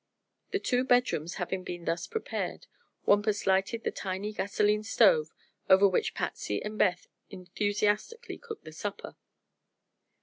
The two "bedrooms" having been thus prepared, Wampus lighted the tiny gasoline stove, over which Patsy and Beth enthusiastically cooked the supper.